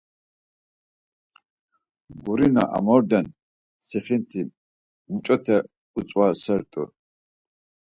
Guri na amorden sixinti muç̌ote utzvasert̆u.